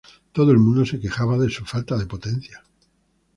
Todo el mundo se quejaba de su falta de potencia.